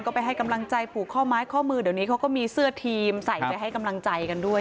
ก็ไปให้กำลังใจผูกข้อไม้ข้อมือเดี๋ยวนี้เขาก็มีเสื้อทีมใส่ไปให้กำลังใจกันด้วย